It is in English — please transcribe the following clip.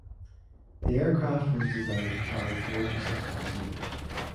The aircraft was designed to carry four to six passengers.